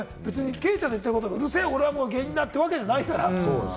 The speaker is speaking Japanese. ケイちゃんの言ってることを別に、うるせぇ、俺は芸人だというわけじゃないから。